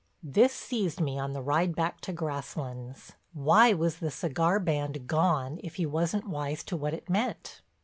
This seized me on the ride back to Grasslands. Why was the cigar band gone if he wasn't wise to what it meant?